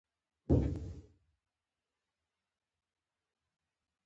اولادونه به یې خپل فرهنګ له لاسه ورکړي.